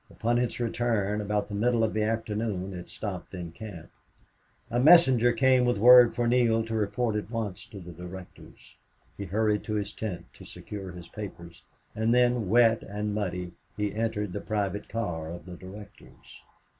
Upon its return, about the middle of the afternoon, it stopped in camp. A messenger came with word for Neale to report at once to the directors. He hurried to his tent to secure his papers, and then, wet and muddy, he entered the private car of the directors.